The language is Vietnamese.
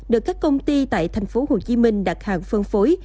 được các công ty tại tp hcm đặt hàng phân phối